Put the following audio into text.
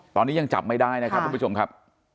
ตอนนี้ยังจับไม่ได้นะครับทุกผู้ชมครับ